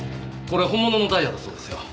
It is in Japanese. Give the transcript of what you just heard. これ本物のダイヤだそうですよ。